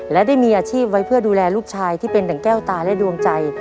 และได้มีอาชีพไว้เพื่อดูแลลูกชายที่เป็นดังแก้วตาและดวงใจ